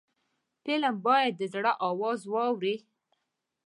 فلم باید د زړه آواز واوري